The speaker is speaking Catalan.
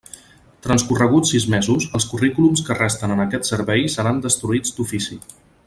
Transcorreguts sis mesos, els currículums que resten en aquest Servei seran destruïts d'ofici.